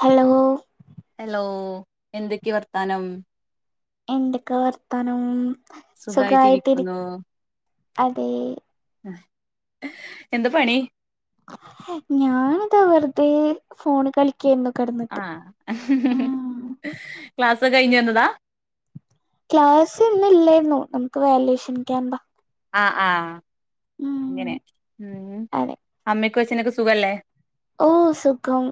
Hello hello എന്തൊക്കെയ വർത്താനം? എന്തൊക്കെ വർത്തനം സുഖമായിട്ടിരി സുഖായിട്ടിരിക്കുന്നു അതെ എന്താ പണി? ഞാനിത വെറുതേ ഫോണ് കളി ആ ക്ലാസോക്കെ കഴിഞ്ഞു വന്നതാ? ക്ലാസ്സ് ന്ന് ഇല്ലായിരുന്നു നമുക്ക് വാ ലുയേഷൻ ക്യാമ്പ ആ ആഹ ഇങ്ങനെ മ്മ് അതെ അമ്മക്കു വച്ചനൊക്കെ സുഖല്ലേ? ഓ സുഖം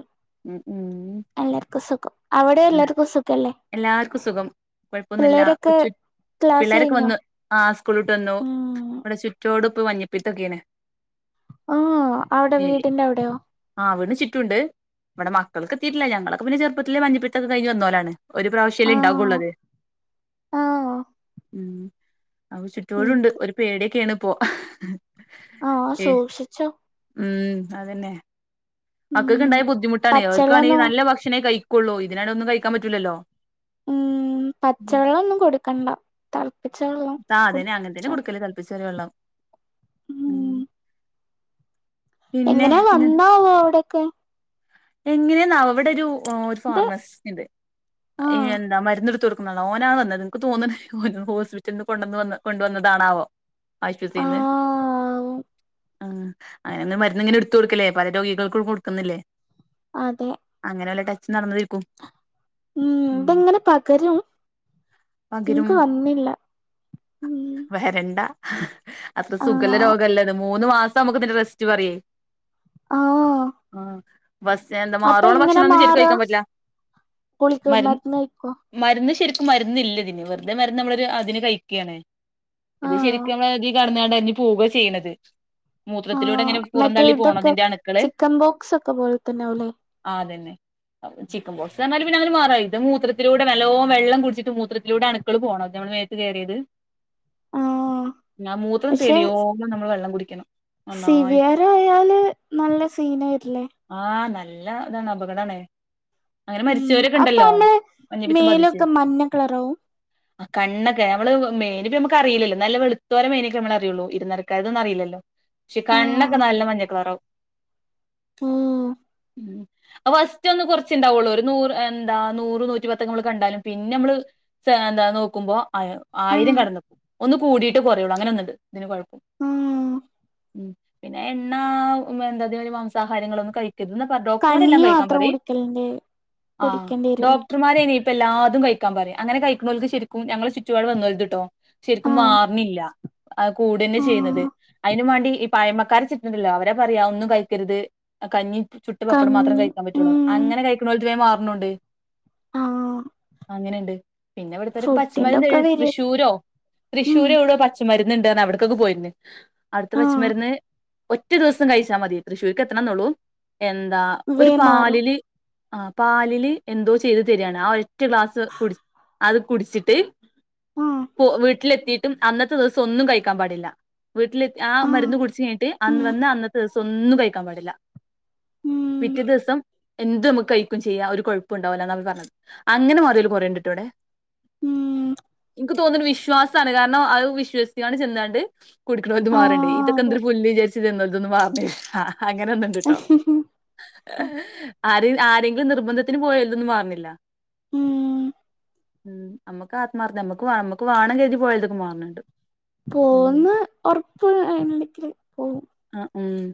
ഉം ഉം എല്ലർക്കും സുഖം അവിടെ എല്ലാർക്കും സുഖല്ലേ എല്ലാർക്കും സുഖം കൊഴപ്പൊന്നുല്ല പിള്ളേരൊക്കെ കൊച്ചു... ക്ലാസ് പിള്ളേരൊക്കെ കഴിഞ്ഞോ വന്നു ആ സ്കൂൾ വിട്ട് വന്നു ഉം ഇവിടെ ചുറ്റോടിപ്പൊ മഞ്ഞപ്പീത്തൊക്കെണ് ആ അവിടെ വീടിന്റെ അവിടെയോ ണ്ട് ഇവിടെ മക്കൾക്ക് എത്തിയിട്ടില്ല ഞങ്ങളൊക്കെപിന്നെ ചെറുപ്പത്തിലെ മഞ്ഞപ്പത്തൊക്കെ കഴിഞ് വന്നോലാണ് ഒരു പ്രാവശ്യല്ലെ ആ ഉണ്ടാകുള്ളത് ആ അവ ചുറ്റൊടുണ്ട് എനിക്ക് ണ്ട് ഒരു പേടിയൊക്കെണ് പ്പൊ ആഹ സൂക്ഷിച്ചോ ഉം അതെന്നെ ഉം മക്കൾക്ക്ണ്ടായ ബുദ്ധിമുട്ടാണെ അവർക്കണെങ്കി പച്ചള്ളനോ നല്ല ഭക്ഷണേ കഴി.. ളു ഇതിനാണെ ഒന്നും കഴിക്കാൻ പറ്റൂലല്ലോ ഉം പച്ചവള്ളം ഒന്നും കൊടുക്കണ്ട ത ആ അ തേനെ അങ്ങനത്തേനെ കൊടുക്കല് തെളപ്പിച്റിയെ ഉള്ളം ഉ ഉം എങ്ങനെ വന്നാവോ അവിടോക്കേ? എങ്ങനെയെന്നാ അവിടെ ഒരു ഒരു ഇത് ഫാർമസിസ്റ്റ് ഉണ്ട് ആഹ് എന്താ മരുന്നടുത്ത ഓനാ വന്നത് നിനക്ക് തോന്നണ് ഓ ഹോസ്പിറ്റലന്ന് കൊണ്ടന്ന് കൊണ്ട വന്നതാണാവോ ആശ്പത്തിന്ന് ആഹ് ആ അങ്ങനെ ഒന്നും മരുന്ന് ഇങ്ങനെ എടുത്ത് കൊടുക്കല്ലേ പല രോഗികൾക്ക കൊടുക്കുന്നില്ലേ.. അതെ അങ്ങനെയുള്ള ട ഉം ഇതെങ്ങനെ പകരും പകരും നിനക്ക് വന്നില്ല ഉ വരണ്ട അത്ര സുഖല്ല രോഗല്ലത് മൂന്ന് മാസം നമുക്ക് ഇതിന്റെ റെസ്റ്റ് പറയേ ആഹ് [inaudible] അപ്പൊ എങ്ങനെ ഭക്ഷണം ഒന്നും ശെരിക്കും മാറാ കഴിക്കാൻ പറ്റില്ല ഗുളിക മരുന്ന് കഴിക്കോ മരുന്ന് ശരി മരുന്നില്ല ഇതിന് വെറുതെ മരുന്ന് നമ്മള ഒരു അതിന് കഴിക്കുകയാണ് ഇത് ആഹ് ശരിക്കും നമ്മ [inaudible] പോകചെയാണത് ആ മറ്റേ ഇതൊക്കെ അണുക്കള് ചിക്കൻ പോക്സ് ഒക്കെ പോലെ തന്നെയവുല്ലേ അതെന്നെ ചിക്കൻപോക്സ് ന്നറിഞ്ഞാല് [unintelligible] ഇതു മൂത്രത്തിലൂടെ നല്ലോം വെള്ളം കുടിച്ചിട്ട് മൂത്രത്തിലൂടെ അണുക്കള് പോണം മേത്ത് കയറിയത് ആ മൂത്രം തെളിയോെളം നമ്മള് വെള്ളം കുടിക്കണം നന്നായിട്ട് സിവിയറ് ആയാല് നല്ല സീന് വരില്ലേ? ആഹ നല്ല താണ് അപകടാണ് അങ്ങനെ ഉം മരിച്ചവരൊക്കെ അപ്പൊ ഇണ്ടല്ലോ നമ്മള് മഞ്ഞപിത്തം ബാധിച്ച് മേലൊക്കെ മഞ്ഞ കളറാവും കണ്ണൊക്കെ നമ്മള് മേല് പി നമ്മക്കറിയില്ലല്ലോ വെളുത്തൊരെ മേലെമ്മക്ക് അറിയുള്ളു ഇരുനിറ ക്കാരുടെന്നും അറില്ലല്ലോ പക്ഷി ആഹ് കണ്ണൊക്കെ നല്ല മഞ്ഞക്കളറാകും ആഹ് ഉം ആ ഫസ്റ്റ് ഒന്ന് കൊറച്ണ്ടാവുള്ളൂ ഒരു നൂറ് എന്താ നൂറ് നൂറ്റി പത്തെമ്മള് കണ്ടാലും പിന്നെ മ്മള് [unintelligible] ന്താനോക്കുമ്പോ ആയിരം ആഹ് കടന്നു ഒന്ന് കൂടിയിട്ട് കുറയുള്ളൂ അങ്ങനെ ഒന്നുണ്ട് ഇതിന് കുഴപ്പം മ്മ് ഉം പിന്നെ എണ്ണാ, എന്താ ഇത് വരെ മാംസാഹാരങ്ങളൊന്നും കഴിക്ക ഇത് ന്ന് കഞ്ഞി പ്പൊ‌ഡോക്ടർമാരെല്ലാം കഴിക്കാൻ മാത്രം പറേ കുടിക്കലിണ്ട് ആ കുടിക്കേണ്ടി വരൂല്ലേ ഡോക്ട. ഇപ്പ എല്ലാതും കഴിക്കാൻ പറയും അങ്ങനെ കഴിക്കണോൽത് ശരിക്കും ഞങ്ങളെ ചുറ്റുപാട് വന്നോൽത്ട്ടൊ ശരിക്കും ആഹ് മാറിണില്ല ആകൂടെന്നെ ചെയ്യുന്നത് ആഹ് അയിനുംമാണ്ടി ഈ പഴമക്ക കാണിച്ചിട്ടുമില്ല അവരാപറയാ ഒന്നും കഴിക്കരുത് അകഞ്ഞി ചുട്ട പപ്പടം മാത്രം കഞ്ഞി കഴിക്കാൻ പറ്റുള്ളൂ അങ്ങനെ കഴിക്കുണോൽത് വേം മാറുന്നുണ്ട് ആ അങ്ങനെയുണ്ട് പിന്നെ ഇവിടത്തൊരു ഫുഡിന്റെ പച്ചമരുന്ന് ഒക്കെ എഴുതി വര് തൃശ്ശൂരോ ഉം തൃശ്ശൂർ എവിടെ പച്ചമരുന്ന് [unintelligible] അവിടക്കൊക്കെ പോയിരുന്നു അവിടുത്തെ ആഹ് പച്ചമരുന്ന് ഒറ്റ ദിവസം കഴിച്ചാൽ മതി തൃശൂർക്ക് എത്ത ണം എന്നള്ളൂ എന്താ ഒരു വേം മാറും പാലില് ആ പാലില് എന്തോ ചെയ്ത് തരിയാണ് ആ ഒറ്റ ഗ്ലാസ് കുടി അത് കുടിച്ചിട്ട് ആഹ് പോ വീട്ടിലെത്തിട്ടും അന്നത്തെ ദിവസം ഒന്നും കഴിക്കാൻ പാടില്ല വീട്ടിലെത്തി ആ ആഹ് മരുന്ന് കുടിച്ച് ഉം കഴിഞ്ഞിട്ട് ഉം പിറ്റേ ദിവസം എന്ത് നമുക്ക് കഴിക്കും ചെയ്യാം കുഴപ്പമുണ്ടാവില്ലാന്ന് അവർ പറഞ്ഞത് അങ്ങനെ മാറിയോല് കുറേണ്ടിട്ടോ ഇവിടെ ഉം എനിക്ക് തോന്നുന്നത് വിശ്വാസമാണ് കാരണം അത് വിശ്വസിച്ചാണ്ട് ചെന്നാണ്ട് കുടിക്കണോൽത് മാറ്ണ്ട് ആഹ് ഇതൊക്കെന്തൊരു ഇതൊക്കെ അതെ എന്തൊരു പുല്ല് ന്ന് വിചാരിച്ച് ചെല്ലുന്നവരുത് മാറുന്നില്ല അങ്ങനൊന്നുണ്ട്ട്ടോ ആര് ആരെങ്കിലും നിർബന്ധത്തിന് പോയോൾതൊന്നും മാറുന്നില്ല ഉം ഉം നമ്മുക്ക് ആത്മാർത്ഥ നമ്മക്ക് നമ്മുക്ക് വേണം കരുതി പോയതൊക്കെ മാറണണ്ട് പോന്ന് ഉറപ്പ് [unintelligible] ആ ഉം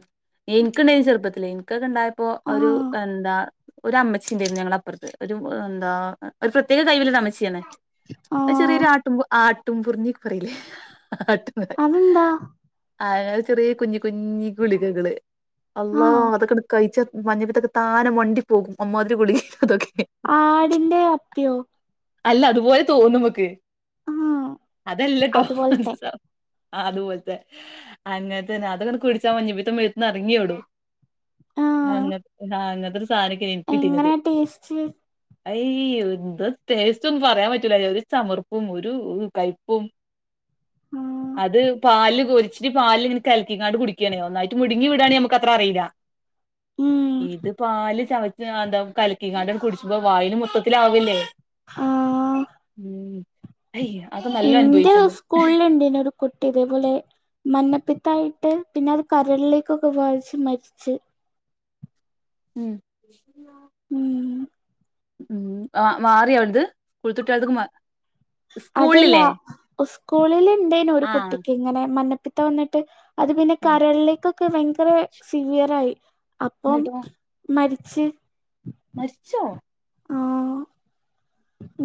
എനിക്കിണ്ടായിന് ചെറുപ്പത്തില് എനിക്കൊക്കെ ഇണ്ടായപ്പോ ഒരു ആഹ് എന്താ ഒരു അമ്മച്ചിന്റായിരുന്നു ഞങ്ങളെ അപ്പുറത്ത് ഒരു എന്താ ഒരു പ്രത്യേക കഴിവുള്ള അമ്മച്ചിയാണ് ആഹ് ചെറിയൊരു ആട്ടുംപൂർ ആ ആട്ടുംപൂർന്ന് പറയിലേ [unintelligible] അതെന്താ ചെറിയ കുഞ്ഞ് കുഞ്ഞി ഗുളികകള് അള്ളാ ആഹ് അതൊക്കെ കഴിച്ച മഞ്ഞപ്പീത്തൊക്കെ താനെ മണ്ടിപോകും അമ്മാതിരി ഗുളികെ അതൊക്കെ ആടിന്റെ അപ്പിയോ അല്ല അതുപോലെ തോന്നമക്ക് ആ അതല്ലട്ടോ അതുപോലത്തെ അതുപോലത്തെ അങ്ങനത്തെ തന്നെ അതങ്ങനെ കുടിച്ച മഞ്ഞപ്പിത്തം മേത്ത്ന്ന് ഇറങ്ങിയോടും ആ അങ്ങ ആഹ അങ്ങത്തൊരു സാധനൊക്കെയ എനിക്ക് കിട്ടിയിരുന്നത് എങ്ങനെ ടേസ്റ്റ് അയ്യ് എന്താ ടേസ്റ്റ് ഒന്നും പറയാൻ പറ്റൂല ഒരു ചമർപ്പും ഒരു കൈപ്പും ആ അത് പാലിൽ കൊരിച്ചിട്ട് പാലില് ഇങ്ങനെ കലക്കിങ്ങാട് കുടിക്ക ഒന്നായിട്ട് മുടുങ്ങി വീടാണെങ്കിൽ നമക്ക് അത്ര അറിയില്ല ഉം ഇത് പാല് ചവ [unintelligible] എന്താ കലക്കികാണ്ട് കുടിച്ചിക്കോ വായിലും മൊത്തത്തിലാവല്ലേ ആ അയ് അത് നല്ലോ ഇന്റെ അനുഭവിച്ചിണ്ട് സ്കൂളിൽ ണ്ടായിരുന്നു ഒരു കുട്ടി ഇതേപോലെ മന്ന അപ്പത്തായിട്ട് പിന്നെ അത് കരളിലേക്കൊക്കെ വാദിച്ച് മരിച്ച് ഉം ഉം ഉം ആ മാറിയോ ഓൽത് [unintelligible] അതല്ല സ്കൂളിൽ ഉണ്ടായിരുന്നു ഒരു ആഹ് കുട്ടിക്ക് ഇങ്ങനെ മഞ്ഞപ്പിത്തം വന്നിട്ട് അത് പിന്നെ കരളിലേക്കൊക്കെ ഭയങ്കര സിവിയർ ആയി അപ്പം എന്നിട്ടോ മരി ച്ച് മരിച്ചോ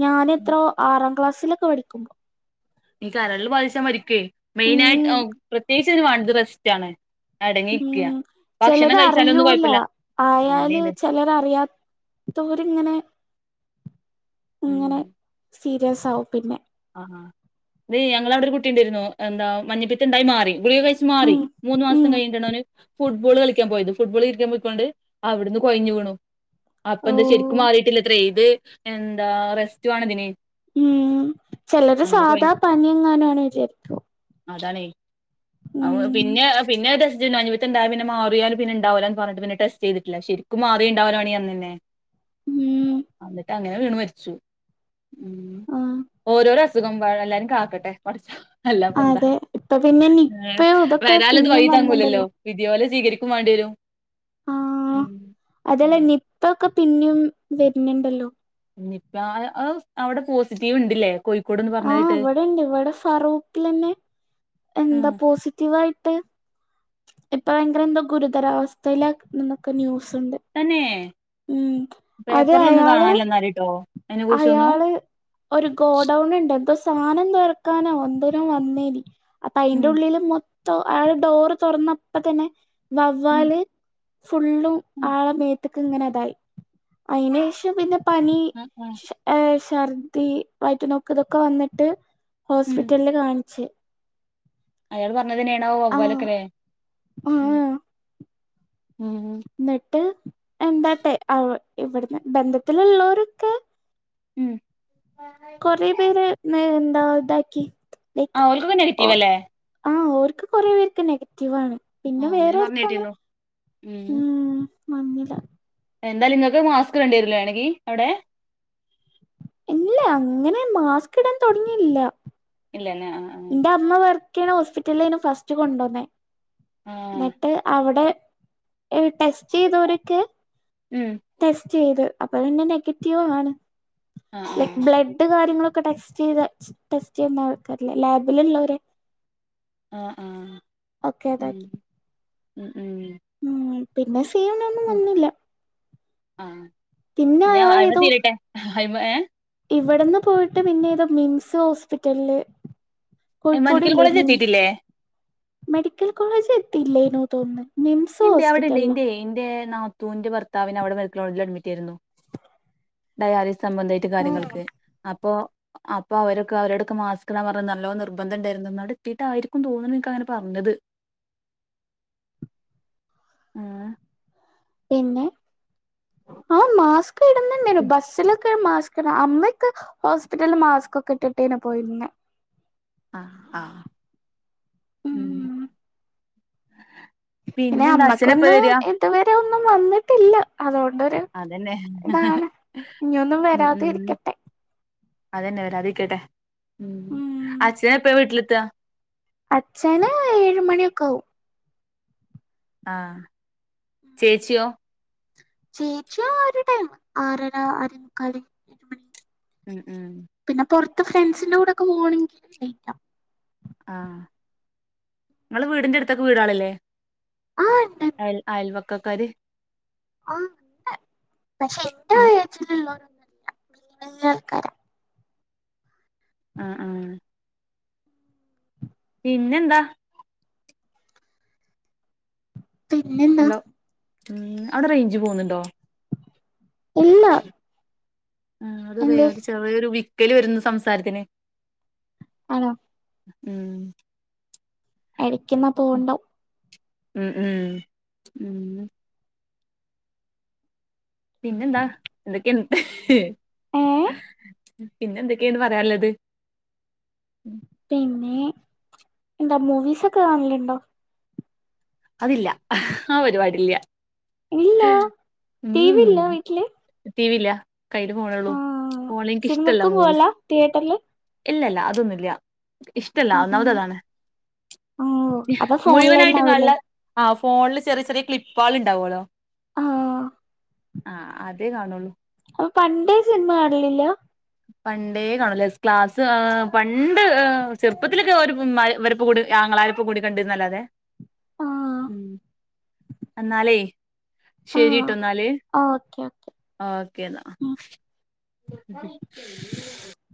ഞാൻ ഉം എത്രോ ആറാം ക്ലാസ്സിലൊക്കെ പഠിക്കുമ്പോ ഇനി കരളിൽ ബാധിച്ചാൽ മരിക്കുവേ ഉം മെയിനായിട്ട് പ്രത്യേകിച്ച് ഇതിന് വേണ്ടത് റസ്റ്റാണ് ഉം ചിലത് കഴിച്ചാലൊന്നും അറിയൂല കുഴപ്പമില്ല ആയാല് അങ്ങനെയുണ്ട് ചിലരറിയാ തോരിങ്ങനെ ഇങ്ങനെ ഉം സീരിയസ് ആവും പിന്നെ ആ അ ഞങ്ങളെ അവിടെ ഒരു കുട്ടി ഉണ്ടായിരുന്നു എന്താ മഞ്ഞപ്പിത്തം ഉണ്ടായി മാറി ഗുളിക കഴിച്ച് മാറി ഉം മൂന്ന് ഉം മാസം കഴിഞ്ഞിട്ടാണ് അവന് ഫുട്ബോൾ കളിക്കാൻ പോയത് ഫുട്ബോൾ കളിക്കാൻ പോയിക്കൊണ്ട് അവിടുന്ന് കൊഴഞ്ഞ് വീണു അപ്പ ഓ എന്താ ശരിക്കും മാറിട്ടില്ല അത്ര ഇത് എന്താ റെസ്റ്റ് വാണതിന് ഉം ചിലര് സാധാ പനിയെങ്ങാനുമാണ് വിചാരിക്കും അതാണേ ഉം അപ്പൊ പിന്നെ പിന്നെ ടെസ്റ്റ് [unintelligible] ഉണ്ടും പിന്ന മാറിയാൽ പിന്നെ ഉണ്ടാവൂല്ലാന്ന് പറഞ്ഞിട്ട് പിന്നെ ടെസ്റ്റ് ചെയ്ട്ടില്ല ശരിക്കും മാറി ഉണ്ടാവോണ അന്നെ ഉം എന്നിട്ട് അങ്ങനെ വീണ് മരിച്ചു ഉം ആഹ് ഓരോരൊ അസുഖം എമ്പാട് എല്ലാരും കാക്കട്ടെ പടച്ചോൻ അല്ലാപ്പ എന്താ അതെ ഇപ്പ പിന്നെ എ നിപ്പയും ഇതൊക്കെ വരാള്ളത് പിന്നിം വഴീ തങ്ങൂലല്ലോ വന്ന്ണ്ടല്ലോ വിധി പോലെ സ്വീകരിക്കും വേണ്ടി വരും ആ അതല്ലെ നിപ്പ ഒക്കെ പിന്നെയും വരുന്നുണ്ടല്ലോ നിപ്പ അത് അവിടെ പോസിറ്റീവ് ഉണ്ട്ല്ലേ ആ ഇവിടെ ഉണ്ട് ഇവിടെ ഫറൂഖിലന്നെ എന്താ ആഹ് പോസിറ്റീവ് സിറ്റിവായിട്ട് ഇപ്പൊ ഭയങ്കര എന്തോ ഗുരുതരാവസ്ഥയിലാ എന്നൊക്കെ ന്യൂസ് തന്നെ അത് പേപ്പറിലൊന്നും അയാള് കാണാല്ലാ എന്നാൽട്ടോ അയാള് ഒരു ഗോഡൗൺ ഉണ്ട് എന്തോ സാധനം തുറക്കാനോ എന്തോനോ വന്നേന് അപ്പ അതിന്റെ ഉം ഉള്ളിലും മൊ അയാള് ഡോറ് തുറന്ന് അപ്പോ തന്നെ ഉം വവ്വാല് ഫുള്ളും ഉം ആളമേത്തക്ക് ഇങ്ങനെ അതായി അതിന് ശേഷം പിന്നെ പനി ആഹ് ആഹ് ഛർദി വയറ്റ് നോക്ക് ഇതൊക്കെ വന്നിട്ട് ഹോസ്പിറ്റലില് കാണിച്ച് അയാൾ പറഞ്ഞതന്നെയണാവൊ ആഹ് വവ്വാലൊക്കെല്ലേ ആഹ് ഉം എന്നിട്ട് എന്താട്ടെ അവി ഇവിടുന്ന് ബന്ധത്തിലുള്ളവരൊക്കെ ഉം പേര് നെ എന്താ ഇതാക്കി ആ ഓർക്ക് ഒക്കെ നെഗറ്റീവ് അല്ലേ അവർ കുറെ പേർക്ക് നെഗറ്റീവ് ആണ് പിന്നെ ആഹ് വേറെ പറഞ്ഞ് ആർക്കും അങ്ങനെ കേട്ടിരുന്നു ഉം വന്നില എന്തായാലും നിങ്ങൾക്ക് മാസ്ക് വേണ്ടി വരില്ലെ വേണോങ്കി അവിടെ ഇല്ല അങ്ങനെ മാസ്ക് ഇടാൻ തുടങ്ങിയില്ല തന്നെ ആ ആ ഹോസ്പിറ്റലിലായിനു ഫസ്റ്റ് കൊണ്ടുവന്നേ ആഹ് എന്നിട്ട് അവിടെ ഏ ടെസ്റ്റ് ചെയ്തോരുക്കു ആഹ് ടെസ്റ്റ് ചെയ്ത് അപ്പൊ പിന്നെ നെഗറ്റീവ് ആണ് ആഹ് ലൈക്ക് ബ്ലഡ് കാര്യങ്ങളൊക് ടെസ്റ്റ് ചെയ്ത ടെസ്റ്റ് ചെയ്യുന്ന ആൾക്കാരില്ലേ ലാബിലുള്ളവരെ ആ ആ ഒക്കെ ഉം അതാക്കി ഉം ഉം ഉം പിന്നെ സീനൊന്നും വന്നില്ല ആ പിന്നെ ഞാൻ അദ്യമേ തീരട്ടെ ആദ്യമേ ഇവിടന്ന് പോയിട്ട് പിന്നെതൊ മിംസ് ഹോസ്പിറ്റലില് കോഴിക്കോട് മെഡിക്കൽ ഇല്ലേ കോളേജ് മിംസ് എത്തിയിട്ടില്ലേ മെഡിക്കൽ കോളേജ് എത്തിയില്ലേയ്നു തോന്നുന്ന് ഉണ്ട് അവിടെ ഉണ്ട് ഇന്റെ ഇന്റെ നാത്തൂന്റെ ഭർത്താവിനു അവിടെ മെഡിക്കൽ കോളേജിൽ അഡ്മിറ്റ് ആയിരുന്നു ഡയാലി സംബന്ധമായിട്ട് കാര്യങ്ങൾക്ക് അപ്പോ അപ്പൊ അവരൊക്കെ അവരോടൊക്കെ മാസ്ക്കിടാൻ പറഞ് നല്ലോ നിർബന്ധം ഉണ്ടായിരുന്നു എന്ന് അവിടെ എത്തിയിട്ടായിരിക്കും തോന്നുന്നു എനക്ക് അങ്ങനെ പറഞ്ഞത് ആ പിന്നെ ആ മാസ്ക് ഇടുന്നുന്നുണ്ടേയ്നു ബസിലൊ മാസ്ക്കിട അമ്മയൊക്കെ ഹോസ്പിറ്റലിൽ മാസ്ക് ഒക്കെ ഇട്ടിട്ടേനു പോയിരുന്നെ ആ ആ ഉം പിന്നെ പിന്നെന്താ അച്ഛനെപ്പ അമ്മക്കൊന്നും വരാ ഇതുവരെ ഒന്നും വന്നിട്ടില്ല അതോടെ ണ്ടൊരു അതന്നെ ഇതാണ് ഇനിയൊന്നും ഉം വരാതെ ഉം ഇരിക്കട്ടെ അതന്നെ വരാതെ ഇരിക്കട്ടെ ഉം അച്ഛൻ എപ്പഴാ വീട്ടിലെത്താ അച്ഛന് ഏഴു മണിയൊക്കെ ആവും ആഹ് ചേച്ചിയോ ചേച്ചി ആരുടൈം ആറര ആറെമുക്കാല് എട്ടുമണി ഉം ഉം പിന്നെ പൊറത്ത് ഫ്രണ്ട്സിന്റെ കൂടെക്കെ പോണെങ്കും ലേറ്റ് ആവും ആ ങ്ങള് വീടിന്റെടുത്തൊക്കെ വീടാളില്ലേ ആ ഉണ്ട് അയൽ അയൽവക്കക്കാര് ആ [unintelligible] വല്യ ആൾക്കാരാ ആ ആ പിന്നെന്താ പിന്നെന്താ ഹലോ അവിടെ റേഞ്ച് പോന്നുണ്ടോ ഇല്ല ആ അത്റേ എന്ത് ഒരു ചെറിയൊര് വിക്കല് വരുന്നു സംസാരത്തിന് ആണോ ഉം എടക്ക്ന്ന പോണ്ടോ ഉം ഉം ഉം പിന്നെന്താ എന്തൊക്കെ എ ഏ പിന്നെ എന്തൊക്കെയാണ് പറയാനുള്ളത് പിന്നെ എന്താ മൂവിസ് ഒക്കെ കാണലുണ്ടോ അതില്ല ആ പരിപാടിയില്ല്യ ഇല്ല ടീവില്ല വീട്ടില് ടിവില്ല കയ്യിൽ ഫോണെള്ളൂ ആ പോലേ എനിക്ക് ഇഷ്ടല്ല സിനിമക്കും മൂവീസ് പോവല്ല തിയേറ്ററില് ഇല്ലല്ല അതൊന്നുല്ല്യ ഇഷ്ടല്ല ഒന്നാമത് ഉം അതാണ് ഓ അപ്പൊ ഫോണിലന്നെ മുഴുവനായിട്ടൊന്നല്ല ആവൂലേ ആഫ് ഫോണില് ചെറിയ ചെറിയ ക്ലിപ്പാൾ ഇണ്ടാവല്ലോ ആ ആ അതേ കാണുള്ളൂ അപ്പൊ പണ്ടേ സിനിമ കാണലില്ല പണ്ടേ കാണുല്ല ക്ലാസ് പണ്ട് ചെറുപ്പത്തിലൊക്കെ ഒരു ഇവര് [unintelligible] ആങ്ങങ്ങളാരിപ്പോ കൂടി കണ്ടിന്നല്ലാതെ ആ ഉം എന്നാലേ ആ ശരിട്ടൊന്നാല് ഓക്കെ ഓക്കെ ഓക്കേ എന്നാ ഉം [unintelligible] [inaudible]